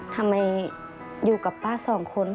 ทำไมอยู่กับป้าสองคน